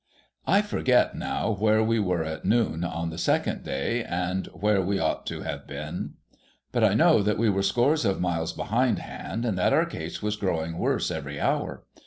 I forget now where wc were at noon on the second day, and where we ought to have been ; but I know that we were scores of miles behindhand, and that our case was growing worse every hour.